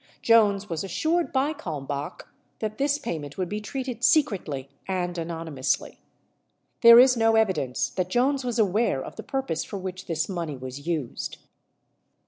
J ones was assured by Kalmbach that this payment would be treated secretly and anonymously. There is no evidence that Jones was aware of the purpose for which this money was used.